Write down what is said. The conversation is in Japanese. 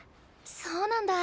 そうなんだ。